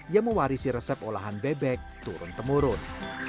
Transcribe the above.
yang mewarisi resep olahan bebek turun temurun